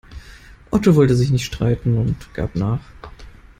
Otto wollte sich nicht streiten und gab nach.